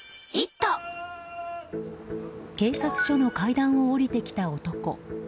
警察署の階段を下りてきた男。